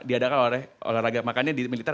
diadakan oleh olahraga makannya di militer